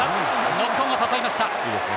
ノックオンを誘いました。